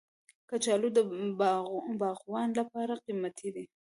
کچالو د باغوان لپاره قیمتي دی